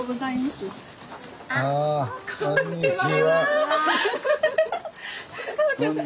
あこんにちは。